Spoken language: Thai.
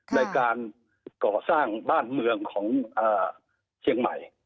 ในการก่อสร้างบ้านเมืองของเชียงใหม่